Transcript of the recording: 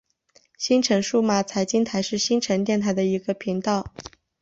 新城数码财经台是新城电台的一个频道。